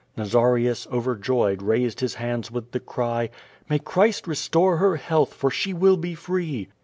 Nazarius, overjoyed, raised his hands with the cry: "May Christ rcstorJhher health, for she will be free."